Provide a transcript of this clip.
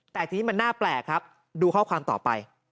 แต่ทีนี้มันน่าแปลกครับดูข้อความต่อไป